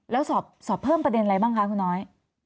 แล้วสอบเพิ่มประเด็นอะไรบ้างคะคุณน้อย